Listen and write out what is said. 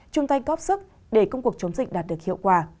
chúng ta góp sức để công cuộc chống dịch đạt được hiệu quả